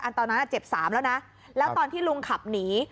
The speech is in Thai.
ตอนนั้นเจ็บสามแล้วนะแล้วตอนที่ลุงขับหนี